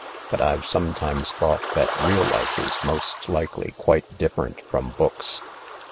But I've sometimes thought th^t re^l Jife is most likely quite different from books."